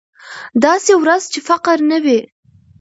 داسې ورځ چې فقر نه وي.